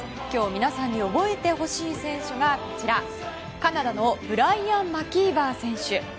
今日皆さんに覚えてほしい選手がカナダのブライアン・マキーバー選手。